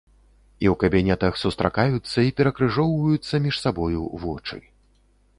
І ў кабінетах сустракаюцца і перакрыжоўваюцца між сабою вочы.